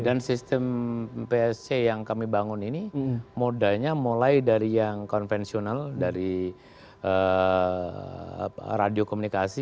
dan sistem psj yang kami bangun ini modanya mulai dari yang konvensional dari radio komunikasi